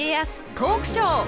トークショー。